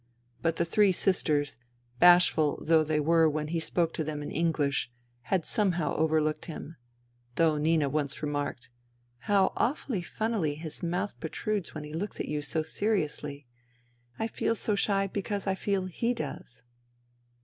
But the three sisters, bashful though they were when he spoke to them in English, had somehow overlooked him ; though Nina once remarked, " How awfully funnily his mouth protrudes when he looks at you so seriously. I feel so shy because I feel he does."